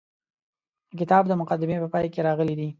د کتاب د مقدمې په پای کې راغلي دي.